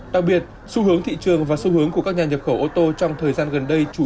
đặc biệt xu hướng thị trường và xu hướng của các nhà nhập khẩu ô tô trong thời gian gần đây